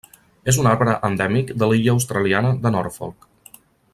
És un arbre endèmic de l'illa australiana de Norfolk.